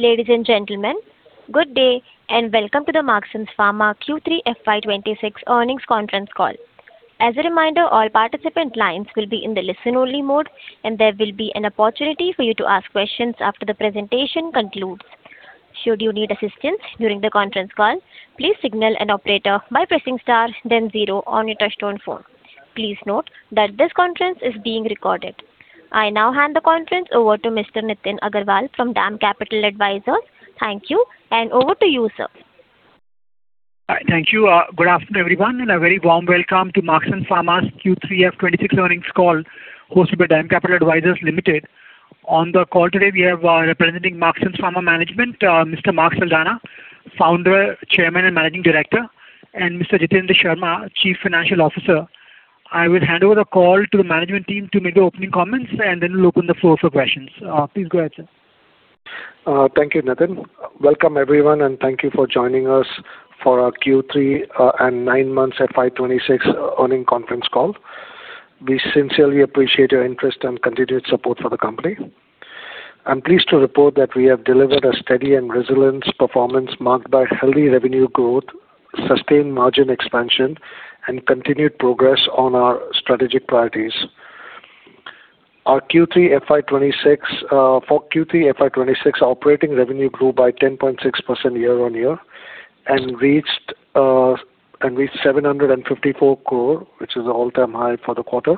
Ladies and gentlemen, good day and welcome to the Marksans Pharma Q3 FY 2026 earnings conference call. As a reminder, all participant lines will be in the listen-only mode, and there will be an opportunity for you to ask questions after the presentation concludes. Should you need assistance during the conference call, please signal an operator by pressing star, then zero on your touch-tone phone. Please note that this conference is being recorded. I now hand the conference over to Mr. Nitin Agarwal from DAM Capital Advisors. Thank you, and over to you, sir. All right, thank you. Good afternoon, everyone, and a very warm welcome to Marksans Pharma's Q3 FY 2026 earnings call hosted by DAM Capital Advisors Limited. On the call today, we have, representing Marksans Pharma management, Mr. Mark Saldanha, Founder, Chairman, and Managing Director, and Mr. Jitendra Sharma, Chief Financial Officer. I will hand over the call to the management team to make their opening comments, and then we'll open the floor for questions. Please go ahead, sir. Thank you, Nitin. Welcome, everyone, and thank you for joining us for our Q3 and 9-month FY 2026 earnings conference call. We sincerely appreciate your interest and continued support for the company. I'm pleased to report that we have delivered a steady and resilient performance marked by healthy revenue growth, sustained margin expansion, and continued progress on our strategic priorities. Our Q3 FY 2026, for Q3 FY 2026, operating revenue grew by 10.6% year-on-year and reached, and reached 754 crore, which is an all-time high for the quarter.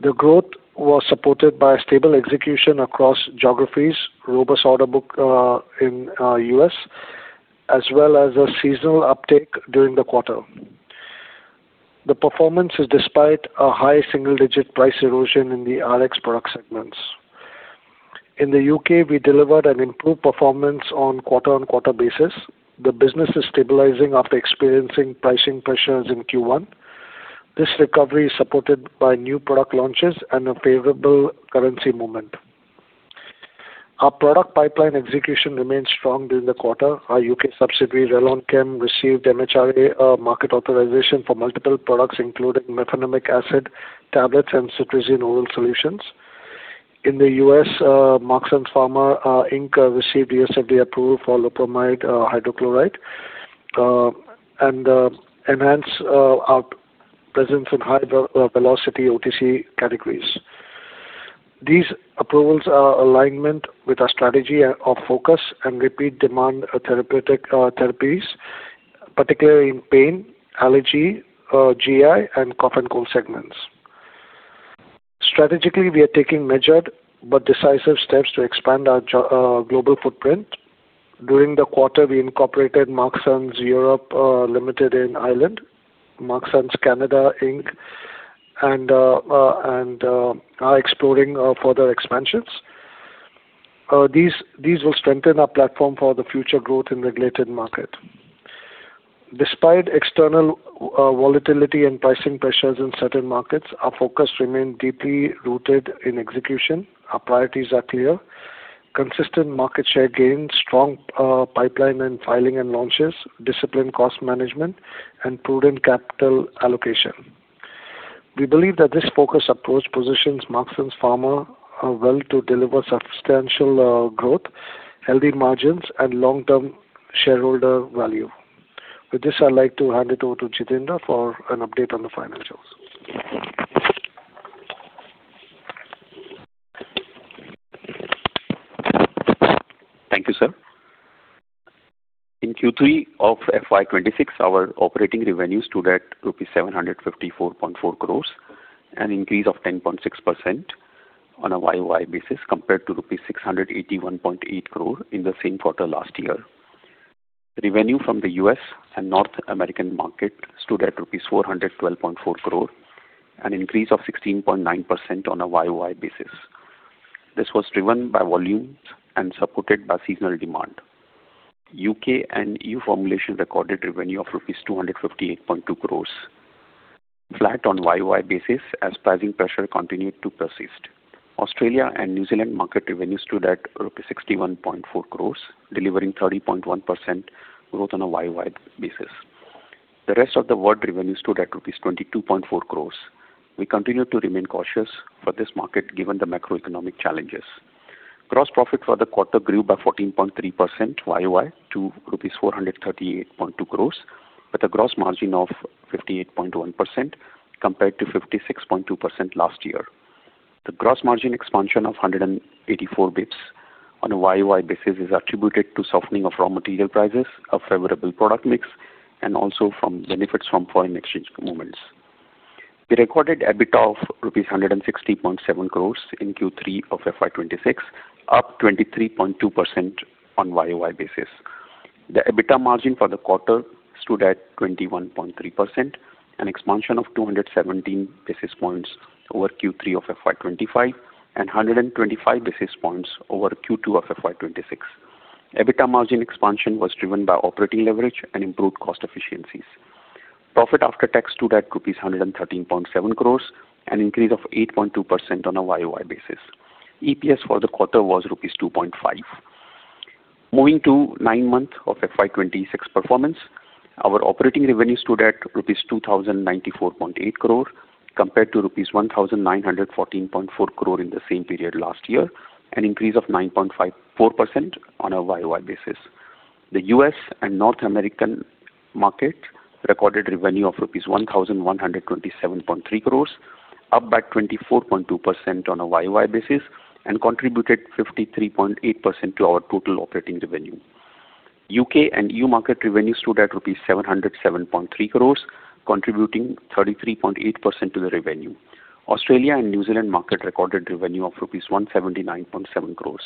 The growth was supported by stable execution across geographies, robust order book in U.S., as well as a seasonal uptake during the quarter. The performance is despite high single-digit price erosion in the Rx product segments. In the U.K., we delivered an improved performance on quarter-on-quarter basis. The business is stabilizing after experiencing pricing pressures in Q1. This recovery is supported by new product launches and a favorable currency movement. Our product pipeline execution remained strong during the quarter. Our U.K. subsidiary, Relonchem, received MHRA market authorization for multiple products mefenamic acid tablets and cetirizine oral solutions. In the U.S., Marksans Pharma Inc. received U.S.FDA approval for loperamide hydrochloride, and enhanced our presence in high-velocity OTC categories. These approvals are in alignment with our strategy of focus and repeat demand therapeutic therapies, particularly in pain, allergy, GI, and cough and cold segments. Strategically, we are taking measured but decisive steps to expand our global footprint. During the quarter, we incorporated Marksans Europe Limited in Ireland, Marksans Canada Inc., and are exploring further expansions. These will strengthen our platform for the future growth in the related market. Despite external volatility and pricing pressures in certain markets, our focus remains deeply rooted in execution. Our priorities are clear: consistent market share gains, strong pipeline and filing and launches, disciplined cost management, and prudent capital allocation. We believe that this focused approach positions Marksans Pharma well to deliver substantial growth, healthy margins, and long-term shareholder value. With this, I'd like to hand it over to Jitendra for an update on the financials. Thank you, sir. In Q3 of FY 2026, our operating revenues stood at rupees 754.4 crore, an increase of 10.6% on a YoY basis compared to rupees 681.8 crore in the same quarter last year. Revenue from the U.S. and North American market stood at 412.4 crore rupees, an increase of 16.9% on a YoY basis. This was driven by volume and supported by seasonal demand. U.K. and EU formulation recorded revenue of rupees 258.2 crore, flat on a YoY basis as pricing pressure continued to persist. Australia and New Zealand market revenues stood at 61.4 crore rupees, delivering 30.1% growth on a YoY basis. The rest of the world revenue stood at rupees 22.4 crore. We continue to remain cautious for this market given the macroeconomic challenges. Gross profit for the quarter grew by 14.3% YoY to rupees 438.2 crore, with a gross margin of 58.1% compared to 56.2% last year. The gross margin expansion of 184 on a YoY basis is attributed to softening of raw material prices, a favorable product mix, and also from benefits from foreign exchange movements. We recorded EBITDA of INR 160.7 crore in Q3 of FY 2026, up 23.2% on a YoY basis. The EBITDA margin for the quarter stood at 21.3%, an expansion of 217 basis points over Q3 of FY 2025 and 125 basis points over Q2 of FY 2026. EBITDA margin expansion was driven by operating leverage and improved cost efficiencies. Profit after tax stood at 113.7 crore, an increase of 8.2% on a YoY basis. EPS for the quarter was rupees 2.5. Moving to nine-month of FY 2026 performance, our operating revenue stood at rupees 2,094.8 crore compared to rupees 1,914.4 crore in the same period last year, an increase of 9.54% on a YoY basis. The U.S. and North American market recorded revenue of rupees 1,127.3 crore, up by 24.2% on a YoY basis, and contributed 53.8% to our total operating revenue. U.K. and EU market revenue stood at rupees 707.3 crore, contributing 33.8% to the revenue. Australia and New Zealand market recorded revenue of rupees 179.7 crore.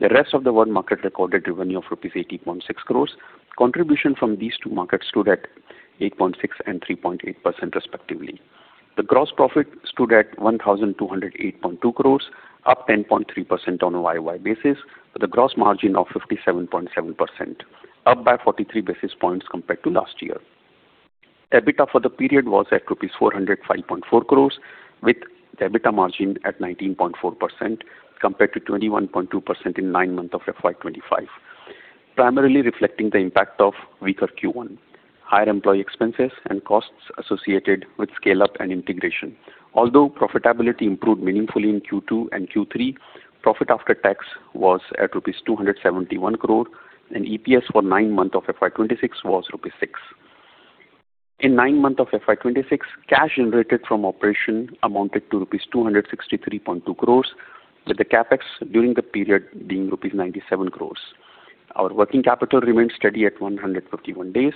The rest of the world market recorded revenue of rupees 80.6 crore. Contribution from these two markets stood at 8.6% and 3.8% respectively. The gross profit stood at 1,208.2 crore, up 10.3% on a YoY basis, with a gross margin of 57.7%, up by 43 basis points compared to last year. EBITDA for the period was at rupees 405.4 crore, with the EBITDA margin at 19.4% compared to 21.2% in 9-month of FY 2025, primarily reflecting the impact of weaker Q1, higher employee expenses, and costs associated with scale-up and integration. Although profitability improved meaningfully in Q2 and Q3, profit after tax was at 271 crore rupees, and EPS for 9-month of FY 2026 was 6 rupees. In 9-month of FY 2026, cash generated from operation amounted to rupees 263.2 crore, with the Capex during the period being rupees 97 crore. Our working capital remained steady at 151 days.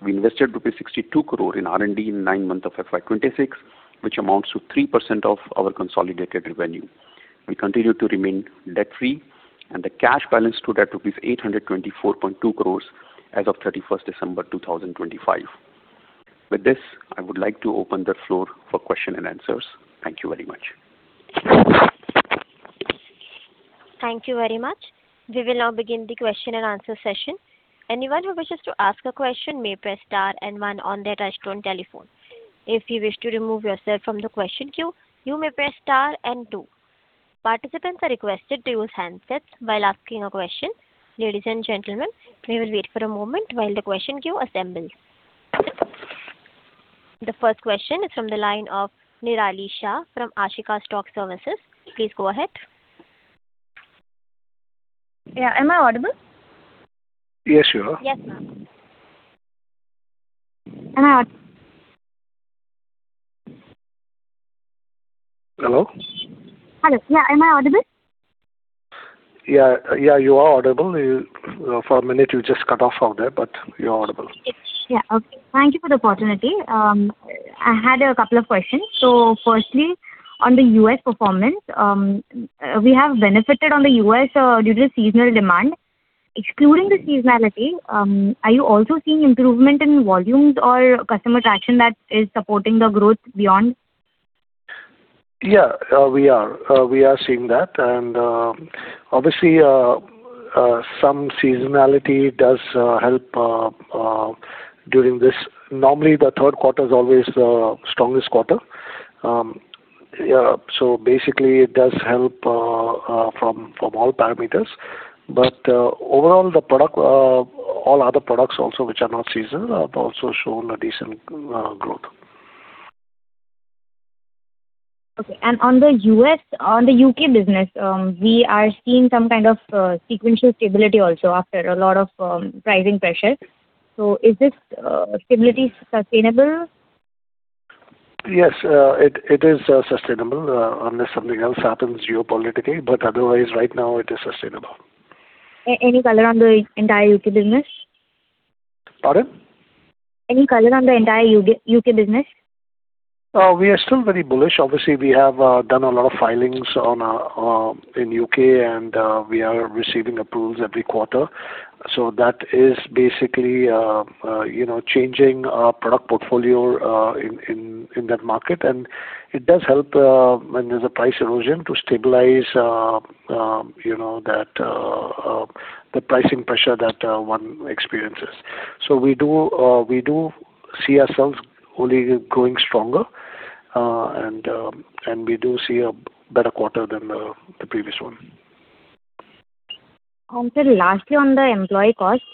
We invested rupees 62 crore in R&D in 9-month of FY 2026, which amounts to 3% of our consolidated revenue. We continue to remain debt-free, and the cash balance stood at rupees 824.2 crore as of 31st December 2025. With this, I would like to open the floor for questions and answers. Thank you very much. Thank you very much. We will now begin the question and answer session. Anyone who wishes to ask a question may press star and one on their touch-tone telephone. If you wish to remove yourself from the question queue, you may press star and two. Participants are requested to use handsets while asking a question, ladies and gentlemen. We will wait for a moment while the question queue assembles. The first question is from the line of Nirali Shah from Ashika Stock Services. Please go ahead. Yeah. Am I audible? Yes, you are. Yes, ma'am. Am I audible? Hello? Hello? Yeah. Am I audible? Yeah. Yeah, you are audible. You, for a minute, you just cut off out there, but you're audible. It's yeah, okay. Thank you for the opportunity. I had a couple of questions. So firstly, on the U.S. performance, we have benefited on the U.S., due to seasonal demand. Excluding the seasonality, are you also seeing improvement in volumes or customer traction that is supporting the growth beyond? Yeah, we are seeing that. And, obviously, some seasonality does help during this. Normally, the third quarter is always the strongest quarter. Yeah, so basically, it does help from all parameters. But overall, the product, all other products also, which are not seasonal, have also shown a decent growth. Okay. And on the U.S. on the U.K. business, we are seeing some kind of sequential stability also after a lot of pricing pressure. So is this stability sustainable? Yes, it is sustainable, unless something else happens geopolitically. But otherwise, right now, it is sustainable. Any color on the entire U.K. business? Pardon? Any color on the entire U.K., U.K. business? We are still very bullish. Obviously, we have done a lot of filings on our end in U.K., and we are receiving approvals every quarter. So that is basically, you know, changing our product portfolio in that market. And it does help when there's a price erosion to stabilize, you know, that the pricing pressure that one experiences. So we do see ourselves only growing stronger, and we do see a better quarter than the previous one. Sir, lastly, on the employee costs,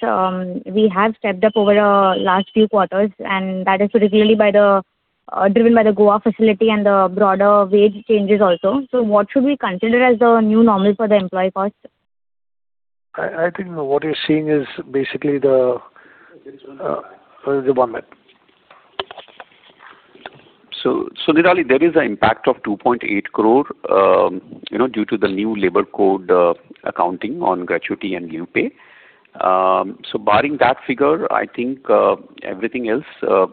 we have stepped up over the last few quarters, and that is particularly driven by the Goa facility and the broader wage changes also. So what should we consider as the new normal for the employee costs? I think what you're seeing is basically the one minute. So, Nirali, there is an impact of 2.8 crore, you know, due to the new labor code, accounting on gratuity and new pay. So barring that figure, I think everything else,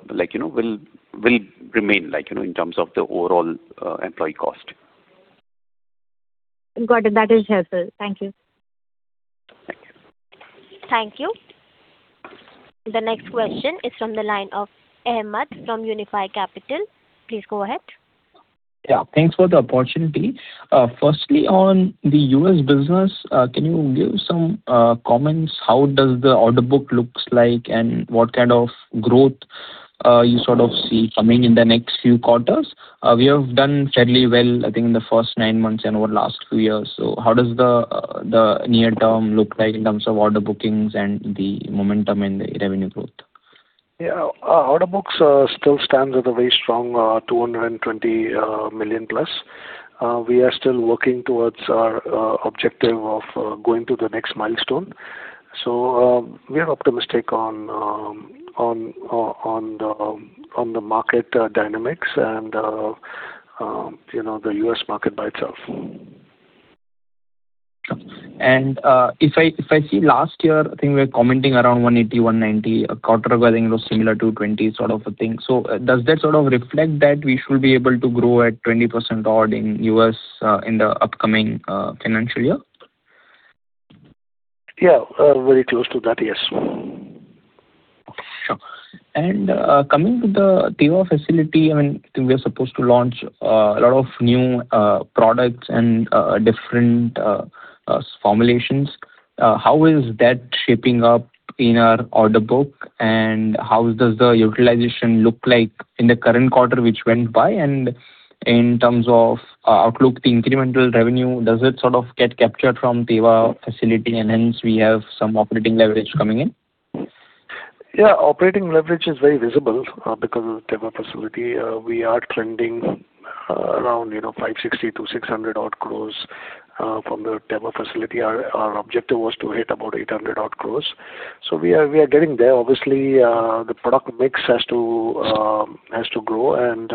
like, you know, will remain, like, you know, in terms of the overall employee cost. Got it. That is helpful. Thank you. Thank you. Thank you. The next question is from the line of Ahmed from Unifi Capital. Please go ahead. Yeah. Thanks for the opportunity. Firstly, on the U.S. business, can you give some comments? How does the order book looks like, and what kind of growth you sort of see coming in the next few quarters? We have done fairly well, I think, in the first 9 months and over the last few years. So how does the near term look like in terms of order bookings and the momentum in the revenue growth? Yeah. Order books still stands at a very strong $220 million plus. We are still working towards our objective of going to the next milestone. So, we are optimistic on the market dynamics and, you know, the U.S. market by itself. If I see last year, I think we were commenting around 180-190 a quarter ago, I think it was similar 220 sort of a thing. So does that sort of reflect that we should be able to grow at 20% odd in U.S., in the upcoming financial year? Yeah. Very close to that, yes. Okay. Sure. And coming to the Teva facility, I mean, I think we are supposed to launch a lot of new products and different formulations. How is that shaping up in our order book, and how does the utilization look like in the current quarter which went by? And in terms of outlook, the incremental revenue, does it sort of get captured from Teva facility, and hence we have some operating leverage coming in? Yeah. Operating leverage is very visible because of the Teva facility. We are trending around, you know, 560 crore-600 odd crores from the Teva facility. Our objective was to hit about 800 odd crores. So we are getting there. Obviously, the product mix has to grow. And,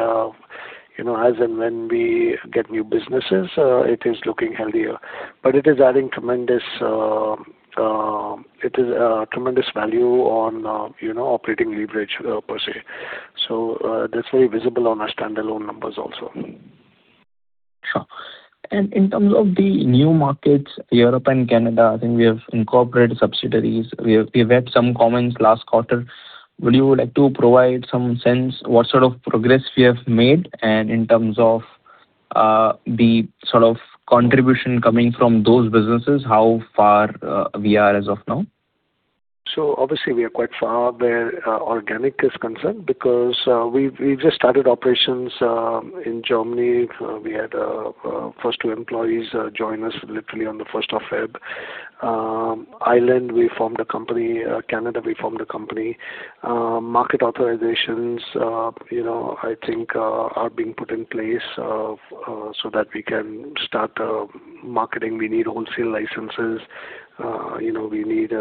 you know, as and when we get new businesses, it is looking healthier. But it is adding tremendous value on, you know, operating leverage per se. So, that's very visible on our standalone numbers also. Sure. In terms of the new markets, Europe and Canada, I think we have incorporated subsidiaries. We have had some comments last quarter. Would you like to provide some sense what sort of progress we have made? In terms of the sort of contribution coming from those businesses, how far we are as of now? So obviously, we are quite far where organic is concerned because we've just started operations in Germany. We had first two employees join us literally on the 1st of February. Ireland, we formed a company. Canada, we formed a company. Market authorizations, you know, I think, are being put in place, so that we can start marketing. We need wholesale licenses. You know, we need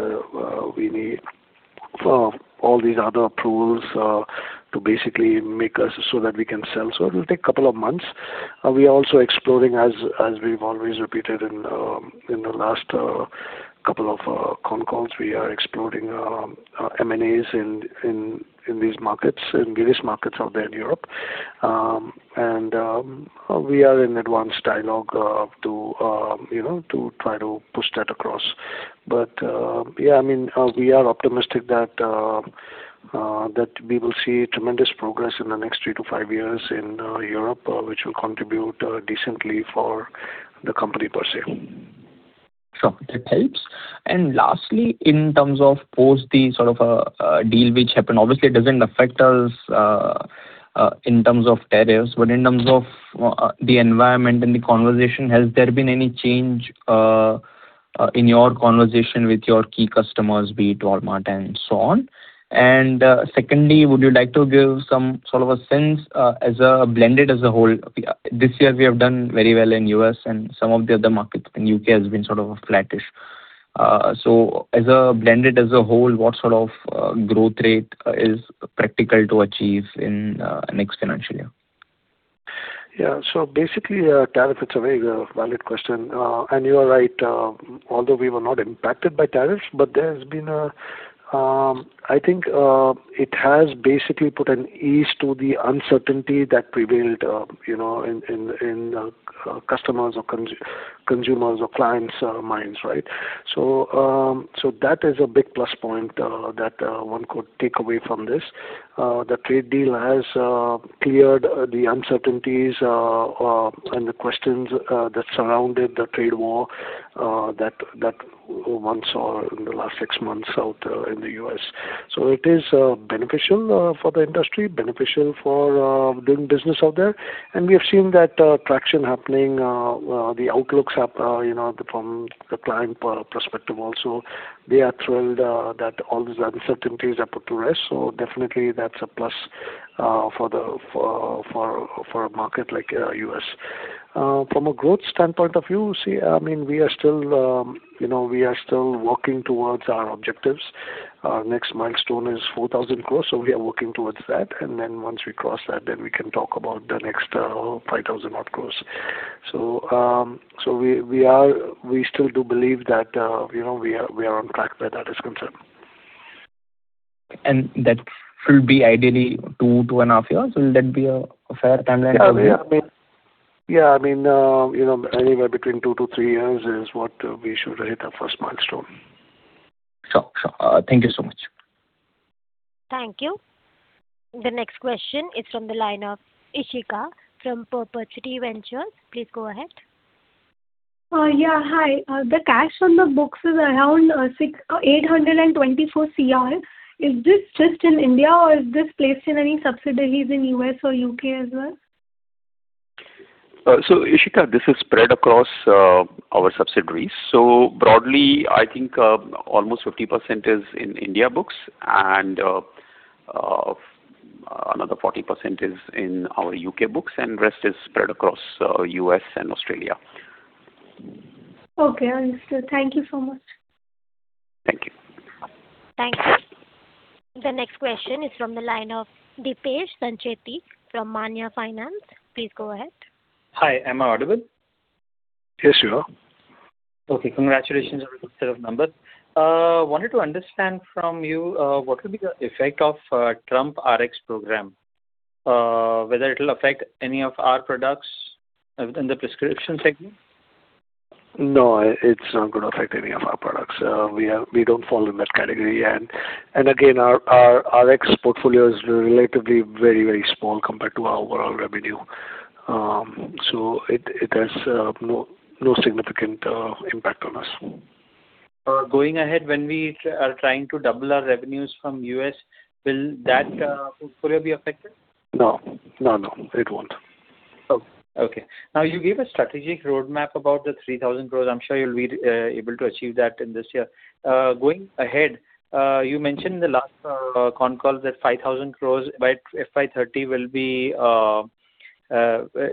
all these other approvals to basically make us so that we can sell. So it will take a couple of months. We are also exploring, as we've always repeated in the last couple of phone calls, we are exploring M&As in these markets, in various markets out there in Europe. And we are in advanced dialogue to you know to try to push that across. But, yeah, I mean, we are optimistic that we will see tremendous progress in the next 3-5 years in Europe, which will contribute decently for the company per se. Sure. Two parts. And lastly, in terms of post the sort of deal which happened, obviously, it doesn't affect us, in terms of tariffs. But in terms of the environment and the conversation, has there been any change in your conversation with your key customers, be it Walmart and so on? And secondly, would you like to give some sort of a sense as blended as a whole? This year, we have done very well in U.S., and some of the other markets in U.K. have been sort of a flattish. So as blended as a whole, what sort of growth rate is practical to achieve in next financial year? Yeah. So basically, tariff, it's a very valid question. And you are right. Although we were not impacted by tariffs, but there has been a, I think, it has basically put at ease the uncertainty that prevailed, you know, in customers or consumers or clients' minds, right? So, so that is a big plus point that one could take away from this. The trade deal has cleared the uncertainties and the questions that surrounded the trade war that one saw in the last six months out in the U.S.. So it is beneficial for the industry, beneficial for doing business out there. And we have seen that traction happening. The outlooks have, you know, from the client perspective also, they are thrilled that all these uncertainties are put to rest. So definitely, that's a plus for a market like U.S.. From a growth standpoint of view, see, I mean, we are still, you know, we are still working towards our objectives. Our next milestone is 4,000 crores, so we are working towards that. And then once we cross that, then we can talk about the next, 5,000-odd crores. So, so we, we are we still do believe that, you know, we are we are on track where that is concerned. That should be ideally 2-2.5 years? Will that be a fair timeline for you? Yeah. Yeah. I mean, you know, anywhere between 2-3 years is what we should hit our first milestone. Sure. Sure. Thank you so much. Thank you. The next question is from the line of Ishika from Perpetuity Ventures. Please go ahead. Yeah. Hi. The cash on the books is around 6,824 crore. Is this just in India, or is this placed in any subsidiaries in U.S. or U.K. as well? So, Ishika, this is spread across our subsidiaries. Broadly, I think, almost 50% is in India books, and another 40% is in our U.K. books. The rest is spread across U.S. and Australia. Okay. Understood. Thank you so much. Thank you. Thank you. The next question is from the line of Deepesh Sancheti from Manya Finance. Please go ahead. Hi. Am I audible? Yes, you are. Okay. Congratulations on the set of numbers. Wanted to understand from you, what will be the effect of Trump Rx program, whether it'll affect any of our products within the prescription segment? No. It's not going to affect any of our products. We don't fall in that category. And again, our Rx portfolio is relatively very, very small compared to our overall revenue. So it has no significant impact on us. Going ahead, when we are trying to double our revenues from U.S., will that portfolio be affected? No. No, no. It won't. Oh. Okay. Now, you gave a strategic roadmap about the 3,000 crore. I'm sure you'll be able to achieve that in this year. Going ahead, you mentioned in the last phone calls that 5,000 crore by FY30 will be,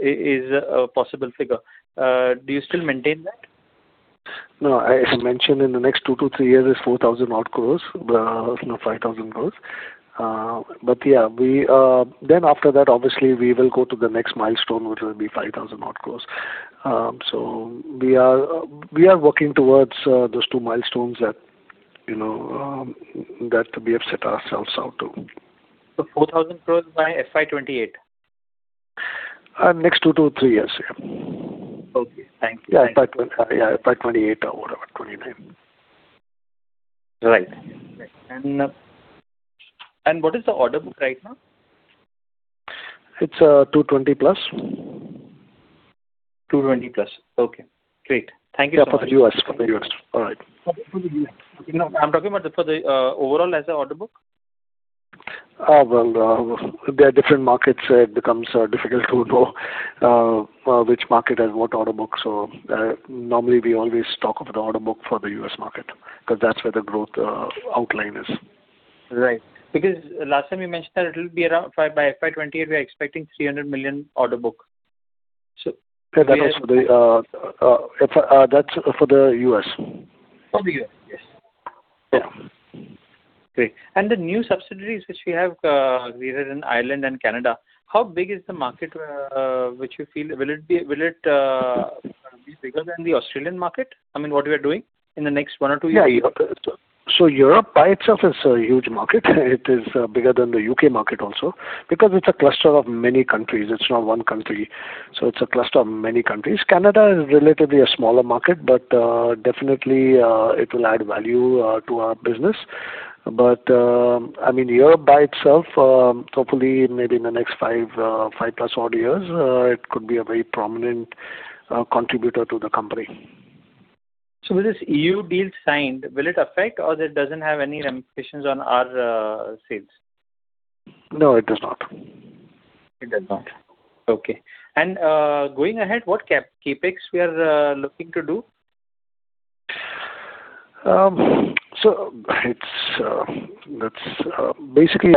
is a possible figure. Do you still maintain that? No. It's mentioned in the next 2 to 3 years is 4,000-odd crores, no, 5,000 crores. But yeah, we then after that, obviously, we will go to the next milestone, which will be 5,000-odd crores. So we are working towards those two milestones that, you know, that we have set ourselves out to. 4,000 crore by FY28? next 2-3 years. Yeah. Okay. Thank you. Thank you. Yeah. By 2020, yeah, by 2028 or whatever, 2029. Right. Right. And what is the order book right now? It's 220+. 220+. Okay. Great. Thank you so much. Yeah. For the U.S. For the U.S. All right. For the U.S.? Okay. No, I'm talking about the overall as a order book? Well, there are different markets. It becomes difficult to know which market has what order book. So, normally, we always talk of the order book for the U.S. market because that's where the growth outline is. Right. Because last time, you mentioned that it'll be around FY by FY28, we are expecting $300 million order book. So. Yeah. That was for the, FI that's for the U.S.. For the U.S. Yes. Yeah. Great. The new subsidiaries which we have in Ireland and Canada, how big is the market, which you feel will it be bigger than the Australian market, I mean, what we are doing in the next one or two years? Yeah. Europe. So Europe by itself is a huge market. It is bigger than the U.K. market also because it's a cluster of many countries. It's not one country. So it's a cluster of many countries. Canada is relatively a smaller market, but definitely it will add value to our business. But I mean, Europe by itself, hopefully, maybe in the next 5, 5-plus odd years, it could be a very prominent contributor to the company. With this EU deal signed, will it affect, or that doesn't have any implications on our sales? No, it does not. It does not. Okay. Going ahead, what CapEx we are looking to do? So, basically,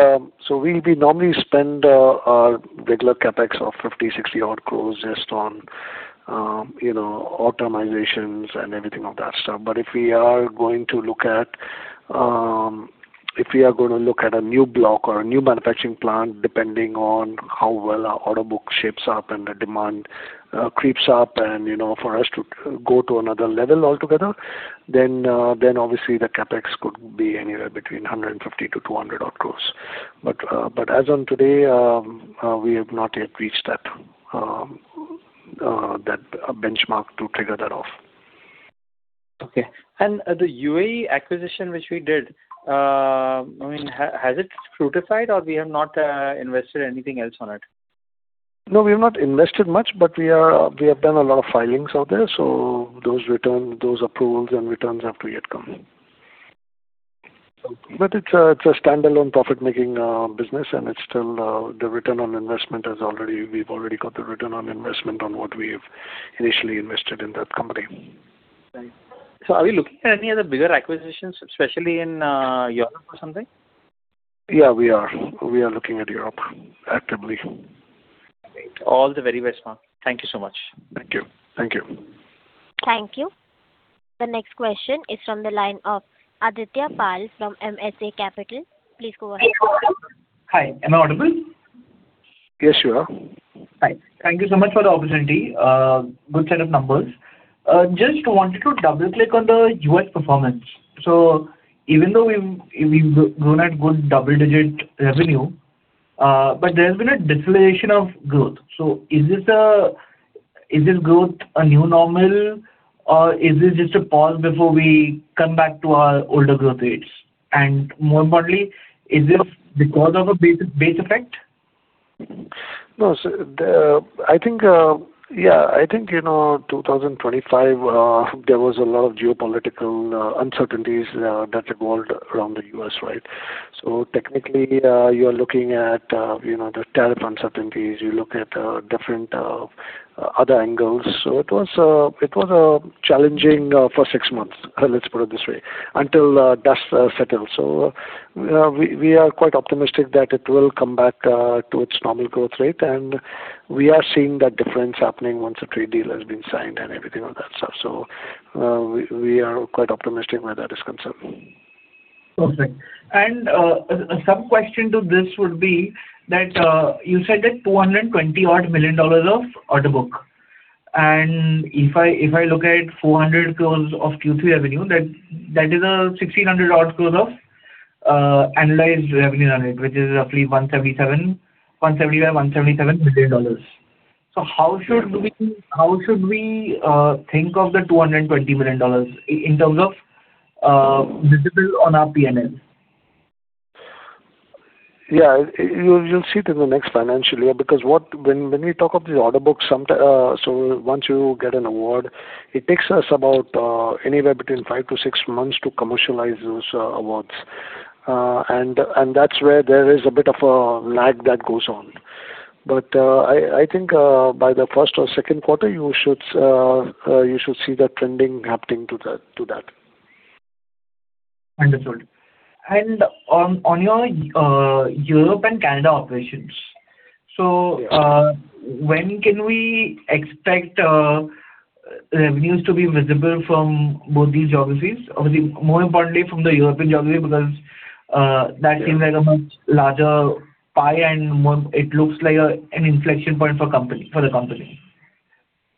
we normally spend our regular CapEx of 50-60-odd crores just on, you know, automations and everything of that stuff. But if we are going to look at a new block or a new manufacturing plant depending on how well our order book shapes up and the demand creeps up and, you know, for us to go to another level altogether, then obviously, the CapEx could be anywhere between 150-200-odd crores. But as on today, we have not yet reached that benchmark to trigger that off. Okay. The UAE acquisition which we did, I mean, has it fruitified, or we have not invested anything else on it? No, we have not invested much, but we have done a lot of filings out there. So those approvals and returns have yet to come. Okay. But it's a standalone profit-making business, and it's still the return on investment. We've already got the return on investment on what we have initially invested in that company. Right. So are we looking at any other bigger acquisitions, especially in Europe or something? Yeah, we are. We are looking at Europe actively. All the very best, Mark. Thank you so much. Thank you. Thank you. Thank you. The next question is from the line of Aditya Pal from MSA Capital. Please go ahead. Hi. Am I audible? Yes, you are. Hi. Thank you so much for the opportunity. Good set of numbers. Just wanted to double-click on the U.S. performance. So even though we've grown at good double-digit revenue, but there has been a deceleration of growth. So is this growth a new normal, or is this just a pause before we come back to our older growth rates? And more importantly, is this because of a base effect? No. So, I think, yeah, I think, you know, 2025, there was a lot of geopolitical uncertainties that revolved around the U.S., right? So technically, you are looking at, you know, the tariff uncertainties. You look at different other angles. So it was, it was challenging for six months, let's put it this way, until dust settles. So, we, we are quite optimistic that it will come back to its normal growth rate. And we are seeing that difference happening once a trade deal has been signed and everything of that stuff. So, we, we are quite optimistic where that is concerned. Okay. And some question to this would be that, you said that $220-odd million of order book. And if I look at 400 crore of Q3 revenue, that is 1,600-odd crore of annualized revenue on it, which is roughly 177 170 by 177 million dollars. So how should we. Yes. How should we think of the $220 million in terms of visible on our P&L? Yeah. You'll see it in the next financial year because when we talk of these order books so once you get an award, it takes us about anywhere between 5-6 months to commercialize those awards. And that's where there is a bit of a lag that goes on. But I think by the first or second quarter, you should see that trending happening to that. Understood. On your Europe and Canada operations, so. Yeah. When can we expect revenues to be visible from both these geographies? Obviously, more importantly, from the European geography because that seems like a much larger pie and more it looks like an inflection point for company for the company.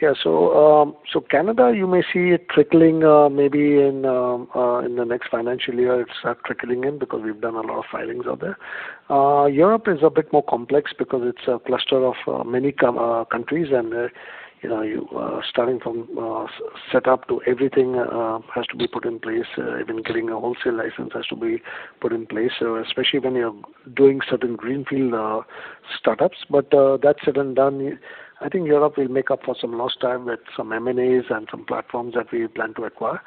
Yeah. So Canada, you may see it trickling, maybe in the next financial year. It's trickling in because we've done a lot of filings out there. Europe is a bit more complex because it's a cluster of many countries. And there, you know, you're starting from setup to everything, has to be put in place. Even getting a wholesale license has to be put in place, especially when you're doing certain greenfield startups. But that's said and done. Yeah, I think Europe will make up for some lost time with some M&As and some platforms that we plan to acquire.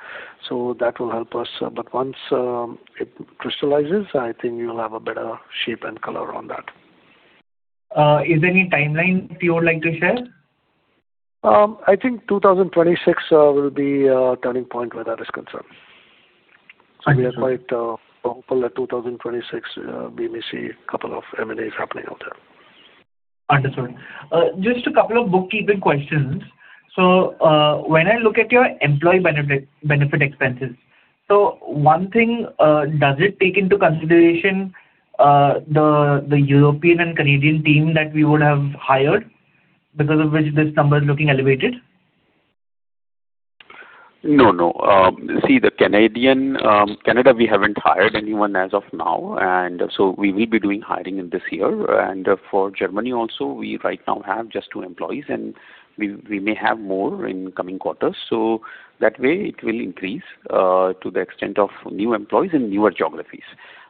So that will help us. But once it crystallizes, I think you'll have a better shape and color on that. Is there any timeline you would like to share? I think 2026 will be turning point where that is concerned. So we are quite. Understood. Hopeful that 2026, we may see a couple of M&As happening out there. Understood. Just a couple of bookkeeping questions. So, when I look at your employee benefit expenses, so one thing, does it take into consideration the European and Canadian team that we would have hired because of which this number is looking elevated? No, no. See, the Canada, we haven't hired anyone as of now. And so we will be doing hiring in this year. And for Germany also, we right now have just two employees, and we may have more in coming quarters. So that way, it will increase, to the extent of new employees in newer geographies.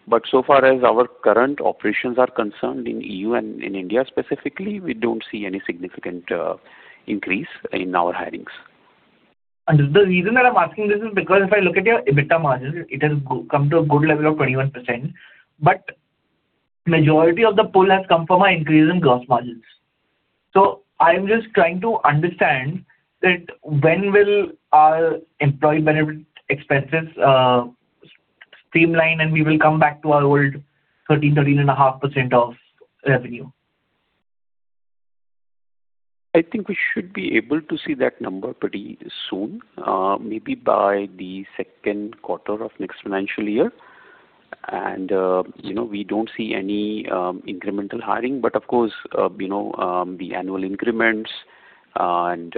But so far as our current operations are concerned in EU and in India specifically, we don't see any significant increase in our hirings. Understood. The reason that I'm asking this is because if I look at your EBITDA margin, it has come to a good level of 21%. But majority of the pull has come from our increase in gross margins. So I'm just trying to understand that when will our employee benefit expenses streamline, and we will come back to our old 13%-13.5% of revenue? I think we should be able to see that number pretty soon, maybe by the second quarter of next financial year. You know, we don't see any incremental hiring. Of course, you know, the annual increments and,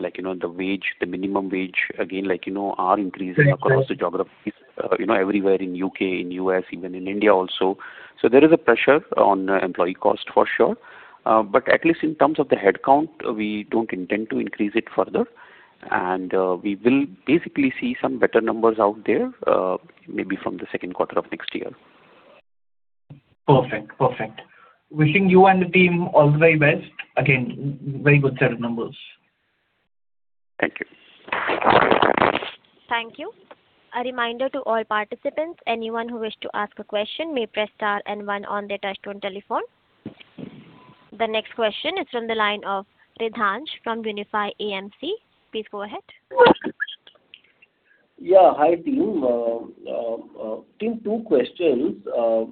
like, you know, the wage the minimum wage, again, like, you know, are increasing. Yes. Across the geographies, you know, everywhere in U.K., in U.S., even in India also. So there is a pressure on employee cost for sure. But at least in terms of the headcount, we don't intend to increase it further. And we will basically see some better numbers out there, maybe from the second quarter of next year. Perfect. Perfect. Wishing you and the team all the very best. Again, very good set of numbers. Thank you. Thank you. A reminder to all participants: anyone who wish to ask a question may press star and one on their touchscreen telephone. The next question is from the line of Riddhansh from Unifi Capital. Please go ahead. Yeah. Hi, team. Team, two questions.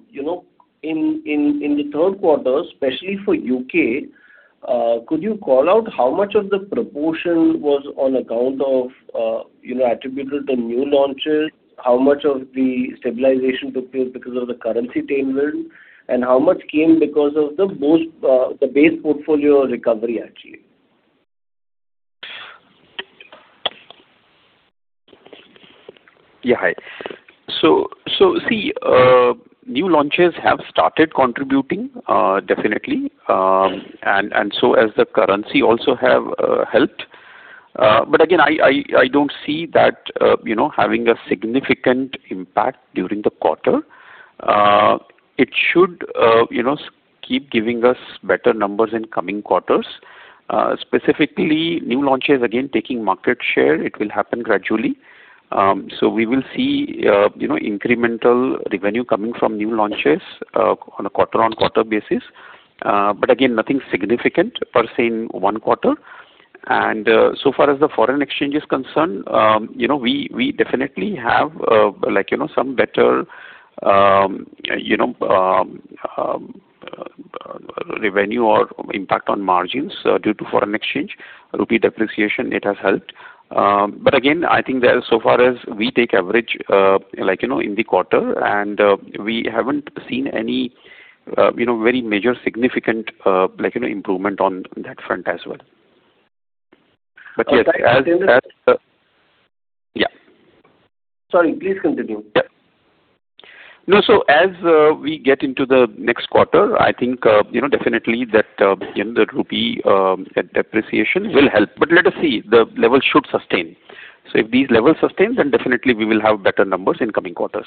You know, in the third quarter, especially for the U.K., could you call out how much of the proportion was on account of, you know, attributed to new launches, how much of the stabilization took place because of the currency tailwind, and how much came because of the boost the base portfolio recovery, actually? Yeah. Hi. So, see, new launches have started contributing, definitely. And so has the currency also helped. But again, I don't see that, you know, having a significant impact during the quarter. It should, you know, keep giving us better numbers in coming quarters. Specifically, new launches, again, taking market share, it will happen gradually. So we will see, you know, incremental revenue coming from new launches, on a quarter-on-quarter basis. But again, nothing significant per se in one quarter. And so far as the foreign exchange is concerned, you know, we definitely have, like, you know, some better, you know, revenue or impact on margins, due to foreign exchange. Rupee depreciation, it has helped. But again, I think that so far as we take average, like, you know, in the quarter, and we haven't seen any, you know, very major, significant, like, you know, improvement on that front as well. But yes, as, as the. Okay. I understand. Yeah. Sorry. Please continue. Yeah. No, so as we get into the next quarter, I think, you know, definitely that, you know, the rupee depreciation will help. But let us see. The level should sustain. So if these level sustains, then definitely, we will have better numbers in coming quarters.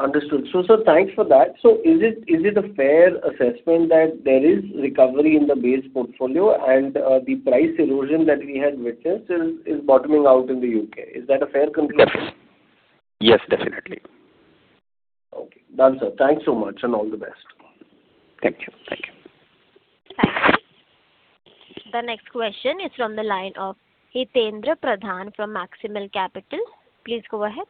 Understood. So, sir, thanks for that. So is it is it a fair assessment that there is recovery in the base portfolio, and, the price erosion that we had witnessed is, is bottoming out in the U.K.? Is that a fair conclusion? Definitely. Yes, definitely. Okay. Done, sir. Thanks so much, and all the best. Thank you. Thank you. Thank you. The next question is from the line of Hitaindra Pradhan from Maximal Capital. Please go ahead.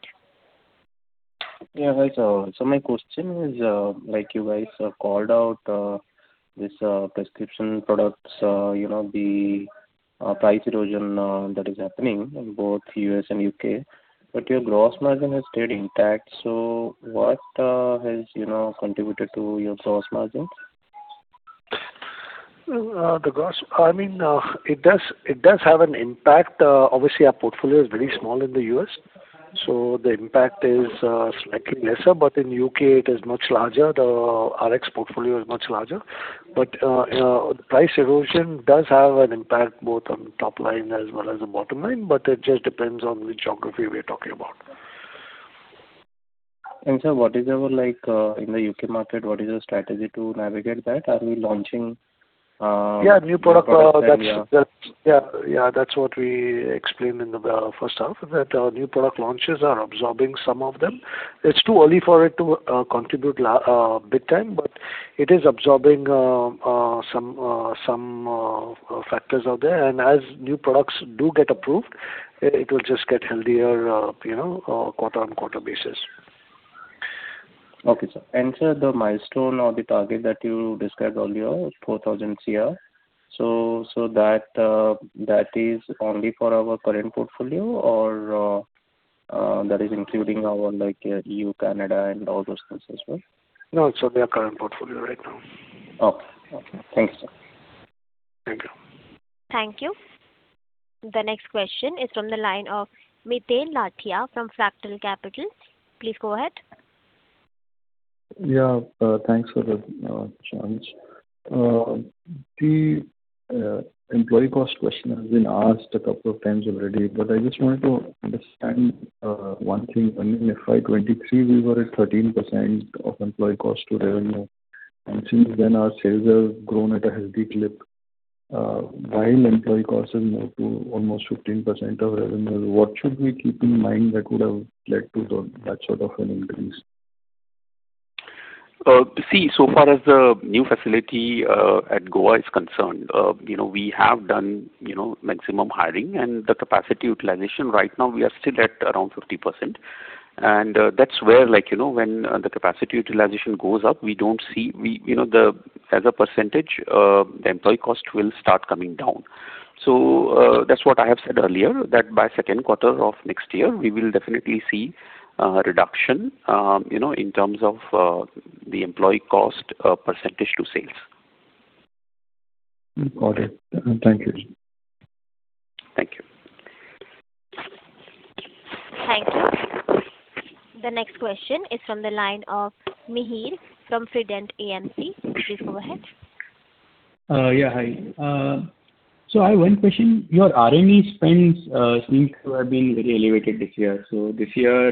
Yeah, hi. So my question is, like you guys called out, this prescription products, you know, the price erosion that is happening in both U.S. and U.K.. But your gross margin has stayed intact. So what has, you know, contributed to your gross margins? The gross, I mean, it does have an impact. Obviously, our portfolio is very small in the U.S. So the impact is slightly lesser. But in U.K., it is much larger. The Rx portfolio is much larger. But the price erosion does have an impact both on the top line as well as the bottom line. But it just depends on which geography we are talking about. Sir, what is our, like, in the U.K. market, what is the strategy to navigate that? Are we launching products that. Yeah, new product, that's what we explained in the first half, that new product launches are absorbing some of them. It's too early for it to contribute a big time. But it is absorbing some factors out there. And as new products do get approved, it will just get healthier, you know, quarter-over-quarter basis. Okay, sir. And, sir, the milestone or the target that you described earlier, 4,000 crore, so, so that, that is only for our current portfolio, or, that is including our, like, EU, Canada, and all those things as well? No, it's on their current portfolio right now. Okay. Okay. Thank you, sir. Thank you. Thank you. The next question is from the line of Miten Lathia from Fractal Capital. Please go ahead. Yeah. Thanks for the challenge. The employee cost question has been asked a couple of times already. But I just wanted to understand one thing. I mean, if by 2023, we were at 13% of employee cost to revenue, and since then, our sales have grown at a healthy clip, while employee cost has moved to almost 15% of revenue, what should we keep in mind that would have led to that sort of an increase? See, so far as the new facility at Goa is concerned, you know, we have done, you know, maximum hiring. And the capacity utilization right now, we are still at around 50%. And, that's where, like, you know, when the capacity utilization goes up, we don't see we, you know, the as a percentage, the employee cost will start coming down. So, that's what I have said earlier, that by second quarter of next year, we will definitely see a reduction, you know, in terms of the employee cost percentage to sales. Got it. Thank you. Thank you. Thank you. The next question is from the line of Mihir from Prudent AMC. Please go ahead. Yeah. Hi. So I have one question. Your R&D spends seems to have been very elevated this year. So this year,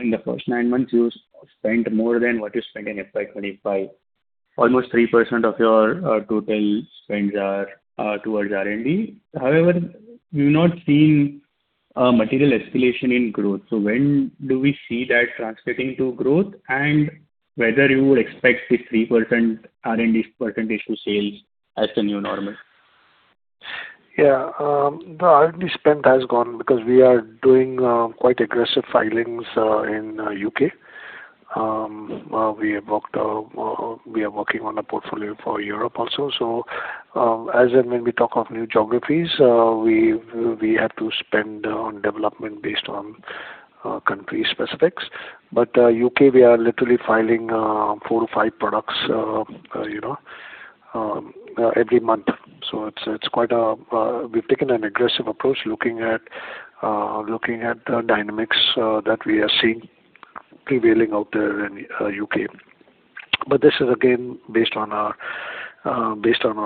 in the first nine months, you spent more than what you spent in FY 2025. Almost 3% of your total spends are towards R&D. However, we've not seen material escalation in growth. So when do we see that translating to growth, and whether you would expect this 3% R&D percentage to sales as the new normal? Yeah. The R&D spend has gone because we are doing quite aggressive filings in U.K.. We are working on a portfolio for Europe also. So, as and when we talk of new geographies, we have to spend on development based on country specifics. But U.K., we are literally filing 4-5 products, you know, every month. So it's quite, we've taken an aggressive approach looking at the dynamics that we are seeing prevailing out there in U.K.. But this is again based on our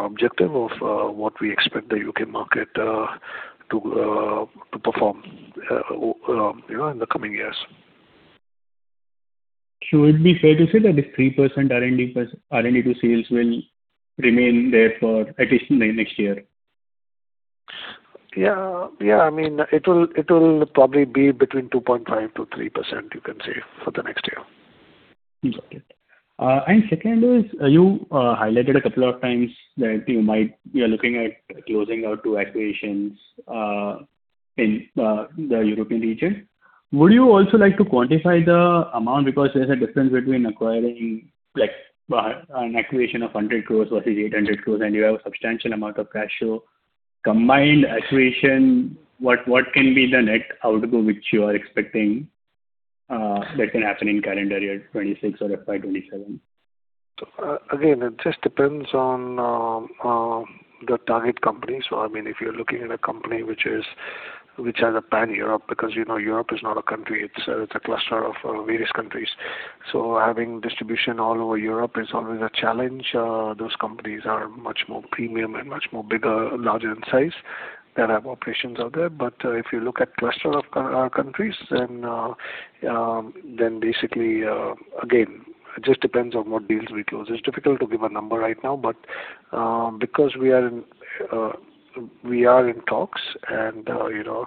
objective of what we expect the U.K. market to perform, you know, in the coming years. It'd be fair to say that this 3% R&D to sales will remain there for at least next year? Yeah. Yeah. I mean, it will probably be between 2.5%-3%, you can say, for the next year. Got it. Second is, you highlighted a couple of times that you might you are looking at closing out two acquisitions in the European region. Would you also like to quantify the amount because there's a difference between acquiring, like, an acquisition of 100 crores versus 800 crores, and you have a substantial amount of cash flow? Combined acquisition, what, what can be the net outgo which you are expecting, that can happen in calendar year 2026 or FY 2027? Again, it just depends on the target company. So, I mean, if you're looking at a company which has a pan-Europe because, you know, Europe is not a country. It's a cluster of various countries. So having distribution all over Europe is always a challenge. Those companies are much more premium and much larger in size that have operations out there. But if you look at cluster of countries, then basically, again, it just depends on what deals we close. It's difficult to give a number right now. But because we are in talks, and you know,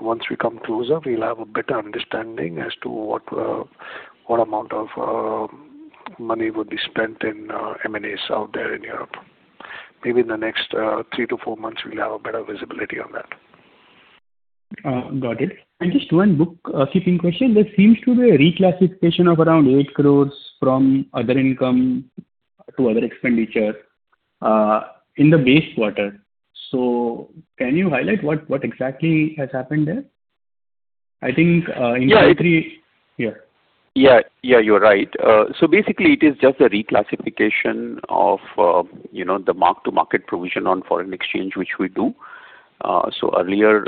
once we come closer, we'll have a better understanding as to what amount of money would be spent in M&As out there in Europe. Maybe in the next 3-4 months, we'll have a better visibility on that. Got it. And just one bookkeeping question, there seems to be a reclassification of around 8 crores from other income to other expenditure, in the base quarter. So can you highlight what, what exactly has happened there? I think, in the country. Yeah. Yeah. Yeah. Yeah. You're right. So basically, it is just a reclassification of, you know, the mark-to-market provision on foreign exchange which we do. So earlier,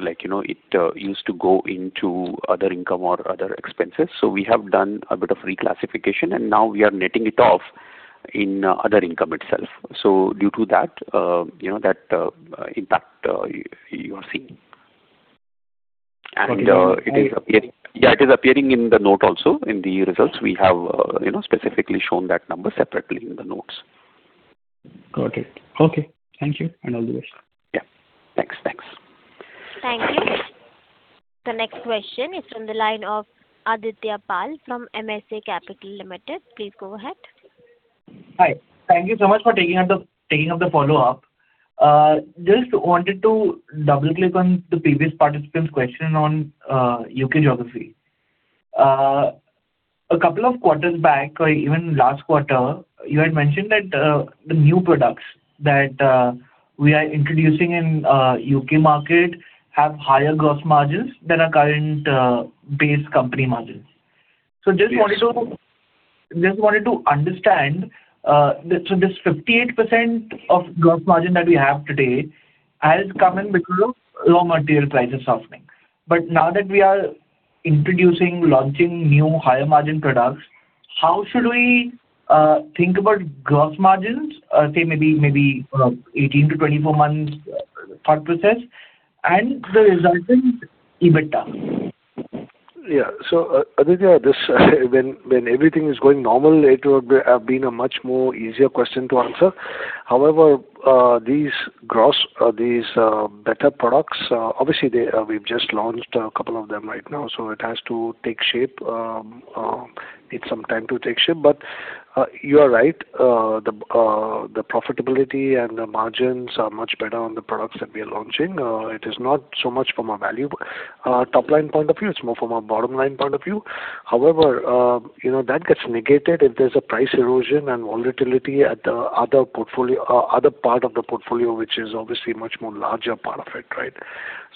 like, you know, it used to go into other income or other expenses. So we have done a bit of reclassification. And now, we are netting it off in other income itself. So due to that, you know, that impact you are seeing. And it is appearing. Got it. Yeah. It is appearing in the note also in the results. We have, you know, specifically shown that number separately in the notes. Got it. Okay. Thank you. And all the best. Yeah. Thanks. Thanks. Thank you. The next question is from the line of Aditya Pal from MSA Capital Limited. Please go ahead. Hi. Thank you so much for taking up the follow-up. Just wanted to double-click on the previous participant's question on U.K. geography. A couple of quarters back, or even last quarter, you had mentioned that the new products that we are introducing in U.K. market have higher gross margins than our current base company margins. So just wanted to. Yes. Just wanted to understand, so this 58% of gross margin that we have today has come in because of raw material prices softening. But now that we are introducing, launching new higher-margin products, how should we think about gross margins, say, maybe, 18-24 months, thought process, and the resultant EBITDA? Yeah. So, Aditya, this, when everything is going normal, it would be have been a much more easier question to answer. However, these better products, obviously, we've just launched a couple of them right now. So it has to take shape. needs some time to take shape. But, you are right. The profitability and the margins are much better on the products that we are launching. It is not so much from a value, top-line point of view. It's more from a bottom-line point of view. However, you know, that gets negated if there's a price erosion and volatility at the other part of the portfolio which is obviously much more larger part of it, right?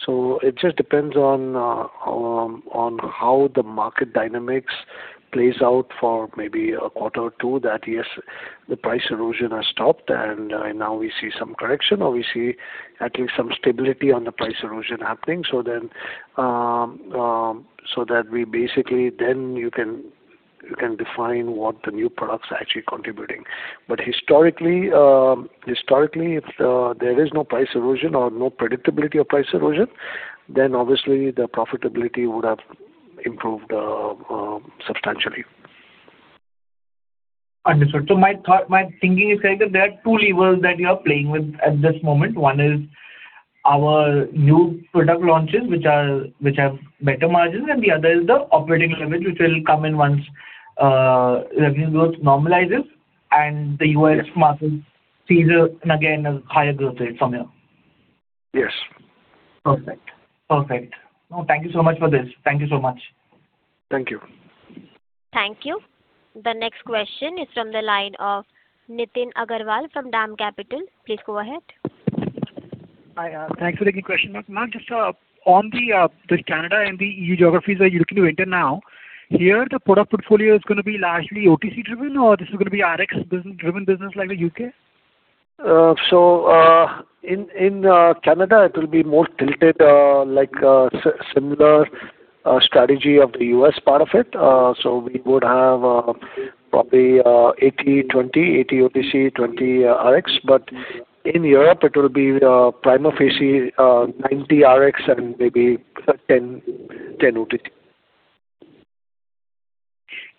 So it just depends on how the market dynamics plays out for maybe a quarter or two that, yes, the price erosion has stopped. Now, we see some correction, or we see at least some stability on the price erosion happening. So that we basically then you can define what the new products are actually contributing. But historically, if there is no price erosion or no predictability of price erosion, then obviously the profitability would have improved substantially. Understood. So my thinking is, sir, that there are two levels that you are playing with at this moment. One is our new product launches which have better margins. And the other is the operating leverage which will come in once revenue growth normalizes and the U.S. market sees, and again, a higher growth rate from here. Yes. Perfect. Perfect. No, thank you so much for this. Thank you so much. Thank you. Thank you. The next question is from the line of Nitin Agarwal from DAM Capital. Please go ahead. Hi. Thanks for taking the question. Mark, Mark, just on this Canada and the EU geographies that you're looking to enter now, here, the product portfolio is gonna be largely OTC-driven, or this is gonna be RX-business-driven business like the U.K.? So, in Canada, it will be more tilted, like, similar strategy of the U.S. part of it. So we would have, probably, 80/20, 80 OTC, 20 RX. But in Europe, it will be, prima facie, 90 RX and maybe 10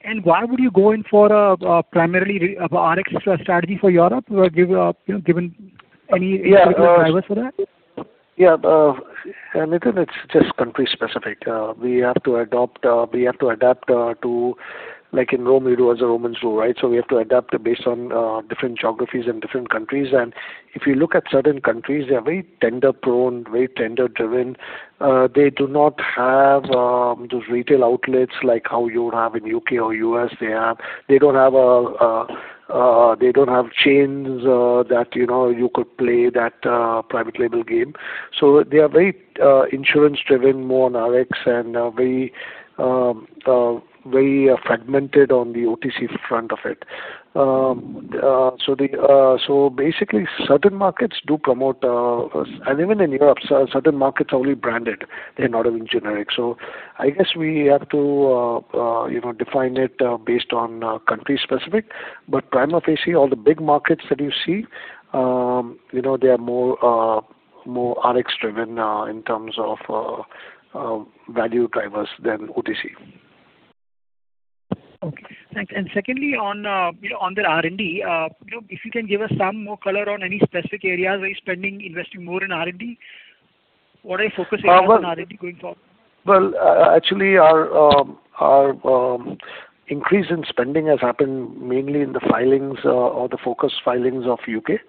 OTC. Why would you go in for a primarily an Rx strategy for Europe? Given, you know, any particular drivers for that? Yeah. Yeah. Nitin, it's just country-specific. We have to adapt to, like, in Rome, do as the Romans do, right? So we have to adapt based on different geographies and different countries. And if you look at certain countries, they're very tender-prone, very tender-driven. They do not have those retail outlets like how you would have in U.K. or U.S. They don't have chains that, you know, you could play that private-label game. So they are very insurance-driven more on RX and very, very fragmented on the OTC front of it. So basically, certain markets do promote, and even in Europe, certain markets are only branded. They're not even generic. So I guess we have to, you know, define it based on country-specific. But prima facie, all the big markets that you see, you know, they are more RX-driven, in terms of, value drivers than OTC. Okay. Thanks. And secondly, on, you know, on the R&D, you know, if you can give us some more color on any specific areas where you're spending, investing more in R&D, what are you focusing on in R&D going forward? Well, actually, our increase in spending has happened mainly in the filings, or the focused filings of U.K.,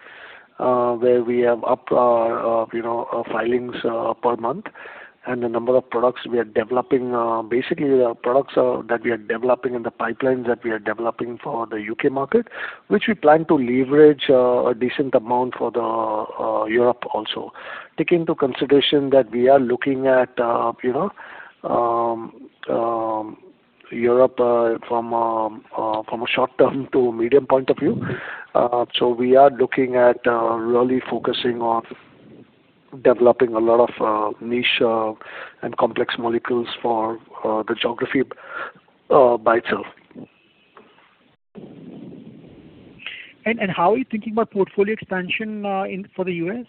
where we have upped our, you know, filings per month. And the number of products we are developing, basically the products that we are developing and the pipelines that we are developing for the U.K. market, which we plan to leverage a decent amount for Europe also, taking into consideration that we are looking at, you know, Europe from a short-term to medium point of view. So we are looking at really focusing on developing a lot of niche and complex molecules for the geography by itself. How are you thinking about portfolio expansion in the U.S.?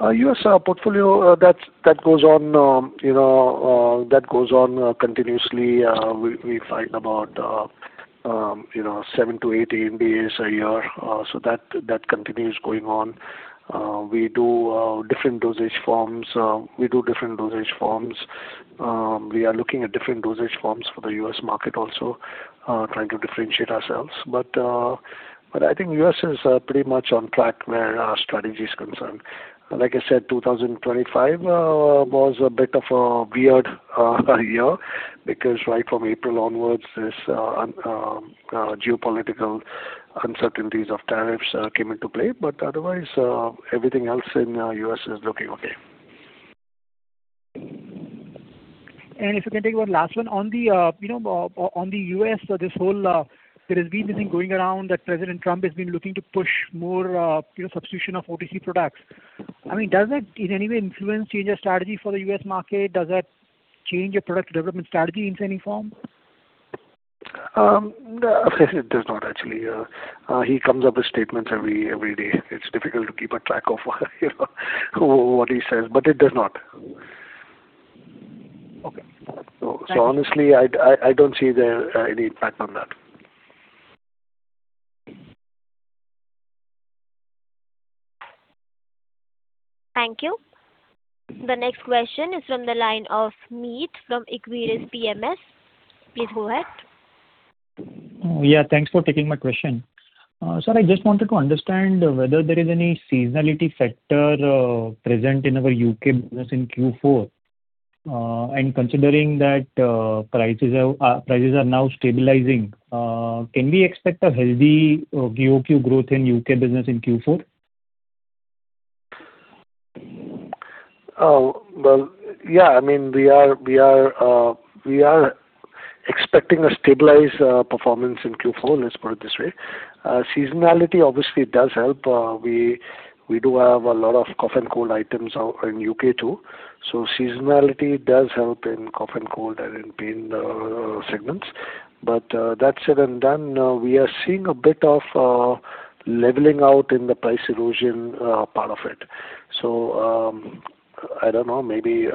U.S. portfolio, that's that goes on, you know, that goes on continuously. We, we find about, you know, 7-8 ANDAs a year. So that, that continues going on. We do different dosage forms. We do different dosage forms. We are looking at different dosage forms for the U.S. market also, trying to differentiate ourselves. But, but I think U.S. is pretty much on track where strategy is concerned. Like I said, 2025 was a bit of a weird year because right from April onwards, this ongoing geopolitical uncertainties of tariffs came into play. But otherwise, everything else in U.S. is looking okay. And if you can talk about the last one. On the, you know, on the U.S., this whole, there has been this thing going around that President Trump has been looking to push more, you know, substitution of OTC products. I mean, does that in any way influence change of strategy for the U.S. market? Does that change your product development strategy in any form? No. I would say it does not, actually. He comes up with statements every, every day. It's difficult to keep a track of, you know, what he says. But it does not. Okay. Honestly, I don't see there any impact on that. Thank you. The next question is from the line of Meet from Aquarius PMS. Please go ahead. Oh, yeah. Thanks for taking my question. Sir, I just wanted to understand whether there is any seasonality factor present in our U.K. business in Q4. And considering that, prices are now stabilizing, can we expect a healthy QoQ growth in U.K. business in Q4? Well, yeah. I mean, we are expecting a stabilized performance in Q4, let's put it this way. Seasonality, obviously, does help. We do have a lot of cough and cold items out in U.K., too. So seasonality does help in cough and cold and in pain segments. But that said and done, we are seeing a bit of leveling out in the price erosion, part of it. So, I don't know. Maybe,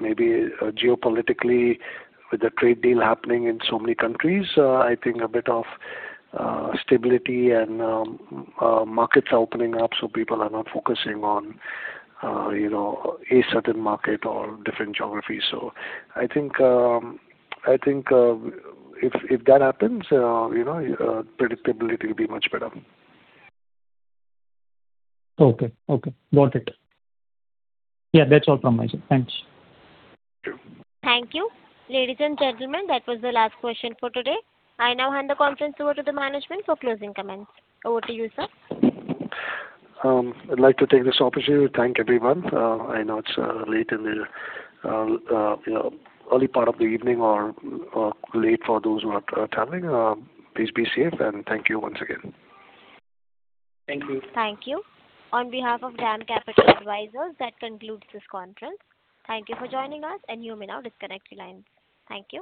maybe, geopolitically, with the trade deal happening in so many countries, I think a bit of stability and markets are opening up. So people are not focusing on, you know, a certain market or different geography. So I think, if that happens, you know, predictability will be much better. Okay. Okay. Got it. Yeah. That's all from me, sir. Thanks. Thank you. Thank you, ladies and gentlemen. That was the last question for today. I now hand the conference over to the management for closing comments. Over to you, sir. I'd like to take this opportunity to thank everyone. I know it's late in the you know early part of the evening or late for those who are traveling. Please be safe. And thank you once again. Thank you. Thank you. On behalf of DAM Capital Advisors, that concludes this conference. Thank you for joining us. You may now disconnect your lines. Thank you.